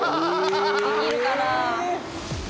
できるかなあ。